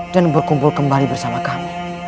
dan berkumpul kembali bersama kami